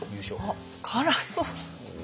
あっ辛そう！